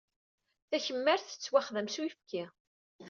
Takemmart tettwaxdam s uyefki.